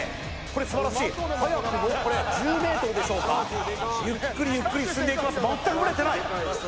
これ素晴らしい早くもこれ１０ｍでしょうかゆっくりゆっくり進んでいきます